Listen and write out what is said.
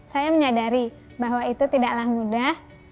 saya menyadari bahwa itu tidaklah mudah